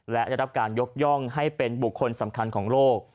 และได้รับการยกย่องให้เป็นบุคคลสำคัญของโลก